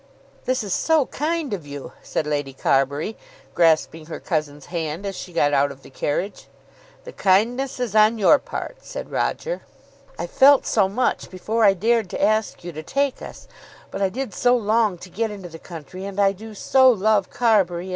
"This is so kind of you," said Lady Carbury, grasping her cousin's hand as she got out of the carriage. "The kindness is on your part," said Roger. "I felt so much before I dared to ask you to take us. But I did so long to get into the country, and I do so love Carbury.